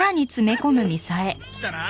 来たな。